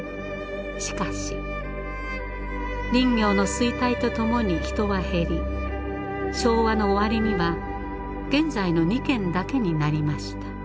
しかし林業の衰退とともに人は減り昭和の終わりには現在の２軒だけになりました。